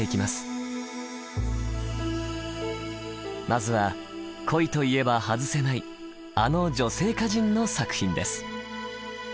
まずは「恋」といえば外せないあの女性歌人の作品です。